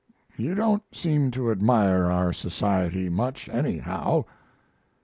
You don't seem to admire our society much, anyhow."